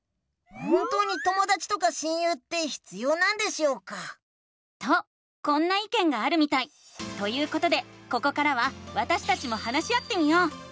本当にともだちとか親友って必要なんでしょうか？とこんないけんがあるみたい！ということでここからはわたしたちも話し合ってみよう！